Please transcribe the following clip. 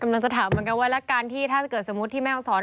กำลังจะถามเหมือนกันว่าแล้วการที่ถ้าเกิดสมมุติที่แม่ห้องศร